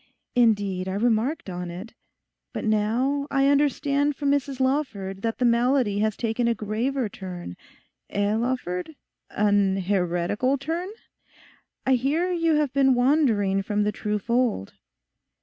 Indeed, I remarked on it. But now, I understand from Mrs Lawford that the malady has taken a graver turn—eh, Lawford, an heretical turn? I hear you have been wandering from the true fold.